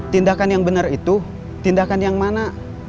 tindakan yang benar itu tindakan yang mana